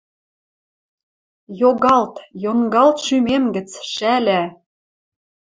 Йогалт, йонгалт шӱмем гӹц, шӓлӓ!